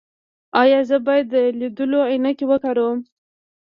ایا زه باید د لیدلو عینکې وکاروم؟